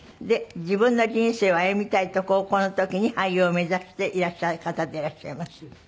で自分の人生を歩みたいと高校の時に俳優を目指していらっしゃる方でいらっしゃいます。